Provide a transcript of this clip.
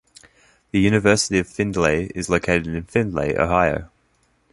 The University of Findlay is located in Findlay, Ohio.